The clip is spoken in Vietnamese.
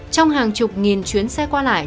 trong hàng chục nghìn chuyến xe qua lại